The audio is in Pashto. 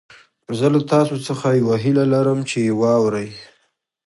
زه له تاسو څخه يوه هيله لرم چې يې واورئ.